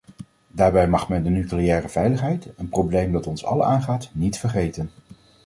Daarbij mag men de nucleaire veiligheid, een probleem dat ons allen aangaat, niet vergeten.